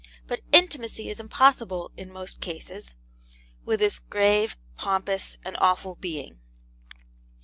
But intimacy is impossible, in most cases, with this grave, pompous, and awful being.